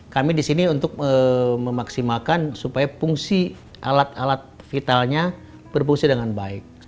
kami di sini untuk memaksimalkan supaya fungsi alat alat vitalnya berfungsi dengan baik